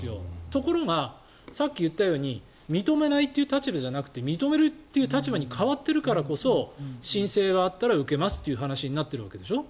ところがさっき言ったように認めないという立場じゃなくて認めるという立場に変わっているからこそ申請があったら受けますという話になっているわけでしょ。